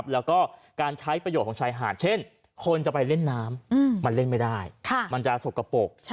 แล้วก็การใช้ประโยชน์ของชายหาดเช่นคนจะไปเล่นน้ำมันเล่นไม่ได้มันจะสกปรก